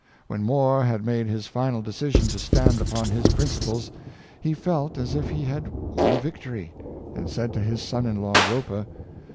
When More had made his final de cision to stand upon his principles, he felt as if he had won a victory, and said to his son in law Roper.